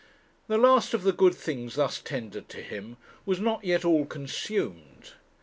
The last of the good things thus tendered to him was not yet all consumed.